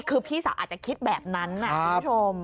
คือพี่สาวอาจจะคิดแบบนั้นทุกชม